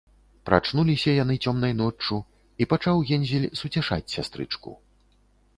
Прачнуліся яны цёмнай ноччу, і пачаў Гензель суцяшаць сястрычку: